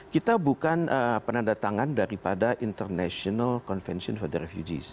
kita bukan penandatangan daripada international convention for the refugees